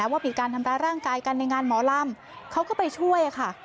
ว่ามีการทำร้ายร่างกายกันในงานหมอลำเขาก็ไปช่วยค่ะ